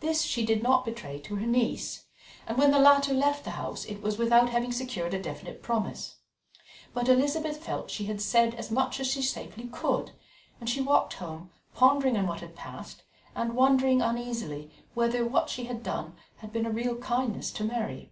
This she did not betray to her niece, and when the latter left the house it was without having secured a definite promise, but Elizabeth felt she had said as much as she safely could, and she walked home, pondering on what had passed, and wondering uneasily whether what she had done had been a real kindness to Mary.